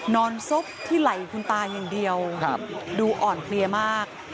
นอนซบที่ไหลคุณตายังเดียวดูอ่อนเคลียร์มาก